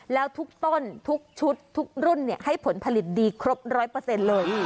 แล้วทุกต้นทุกชุดทุกรุ่นให้ผลผลิตดีครบ๑๐๐เปอร์เซ็นต์เลย